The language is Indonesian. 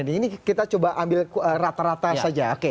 ini kita coba ambil rata rata saja